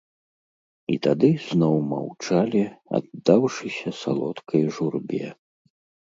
І тады зноў маўчалі, аддаўшыся салодкай журбе.